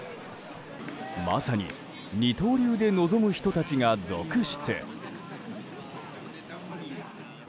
まさに二刀流で臨む人たちが続出。